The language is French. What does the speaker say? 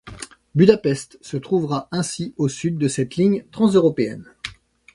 Budapest se trouvera ainsi au sud de cette ligne transeuropéenne.